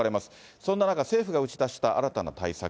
そんな中、政府が打ち出した新たな対策。